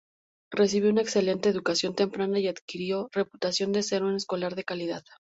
Recibió una excelente educación temprana y adquirió reputación de ser un escolar de calidad.